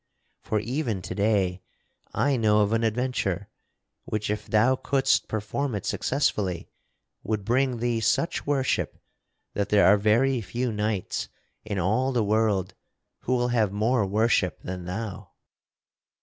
For even to day I know of an adventure, which if thou couldst perform it successfully, would bring thee such worship that there are very few knights in all the world who will have more worship than thou."